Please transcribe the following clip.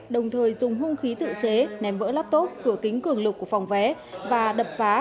đồng thời dùng hung khí tự chế ném vỡ laptop cửa kính cường lục của phòng vé và đập phá